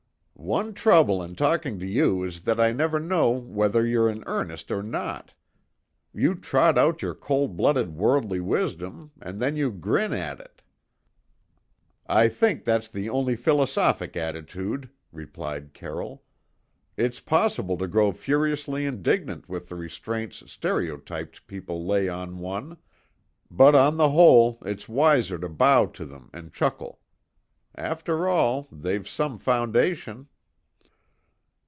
"One trouble in talking to you is that I never know whether you're in earnest or not. You trot out your cold blooded worldly wisdom, and then you grin at it." "I think that's the only philosophic attitude," replied Carroll. "It's possible to grow furiously indignant with the restraints stereotyped people lay on one; but on the whole it's wiser to bow to them and chuckle. After all, they've some foundation."